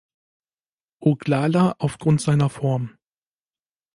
Oglala aufgrund seiner Form.